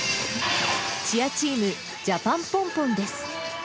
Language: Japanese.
チアチーム、ジャパンポンポンです。